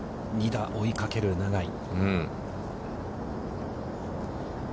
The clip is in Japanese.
２打追いかける永井。